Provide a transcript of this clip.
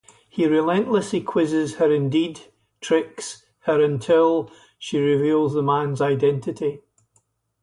He relentlessly quizzes her-indeed tricks her-until she reveals the man's identity.